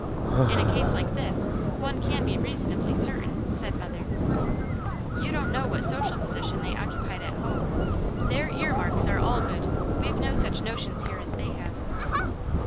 "In a case like this, one can be reasonably certain," said mother. "You don't know what social position they occupied at home. Their earmarks are all good. We've no such notions here as they have."